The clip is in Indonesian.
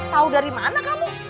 tau dari mana kamu